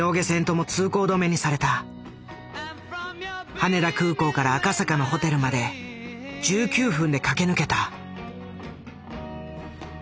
羽田空港から赤坂のホテルまで１９分で駆け抜けた。